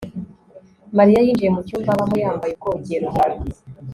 mariya yinjiye mu cyumba abamo yambaye ubwogero